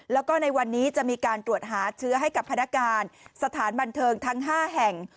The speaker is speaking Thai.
แล้วก็ในวันนี้จะมีการตรวจหาเชื้อให้กับพนักการสถานบันเทิงทั้ง๕แห่ง